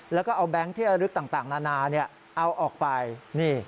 แล้วก็เอาแบงค์ที่ระลึกต่างนานาเอาออกไปนี่